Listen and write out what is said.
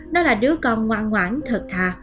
nó là đứa con ngoan ngoãn thật thà